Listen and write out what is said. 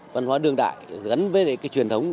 văn hóa đương đại gắn với cái truyền thống